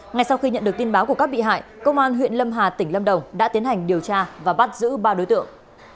ngay sau khi nhận được tin báo của các bị hại công an huyện lâm hà tỉnh lâm đồng đã tiến hành điều tra và bắt giữ ba đối tượng